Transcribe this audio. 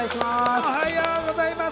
おはようございます。